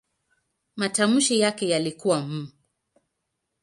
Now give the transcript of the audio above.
Matamshi yake yalikuwa "m".